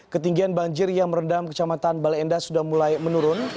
ketinggian banjir yang merendam kecamatan baleendah sudah mulai menurun